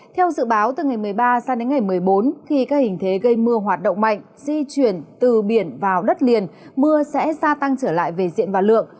theo dự báo từ ngày một mươi ba sang đến ngày một mươi bốn khi các hình thế gây mưa hoạt động mạnh di chuyển từ biển vào đất liền mưa sẽ gia tăng trở lại về diện và lượng